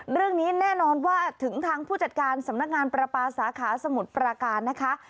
เรื่องนี้แน่นอนว่าถึงทางผู้จัดการสำนักงานประปาสาขาสมุทรปราการนะคะ